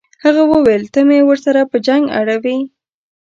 هغه وویل ته مې ورسره په جنګ اړوې.